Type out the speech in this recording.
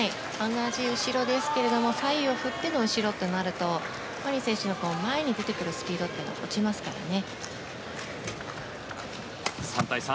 同じ後ろですけれども左右に振っての後ろとなるとマリン選手の前に出てくるスピードが落ちますからね。